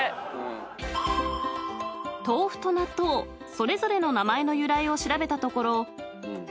［それぞれの名前の由来を調べたところ］